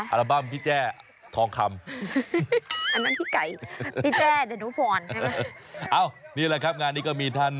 อัลบั้มอะไรคะ